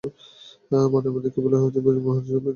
মনের মধ্যে কেবলই বলছে, জীবনের মহোৎসবের দিন কাল শেষ হয়ে গেল।